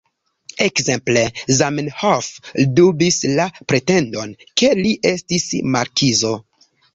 Ekzemple: "Zamenhof dubis la pretendon, ke li estis markizo.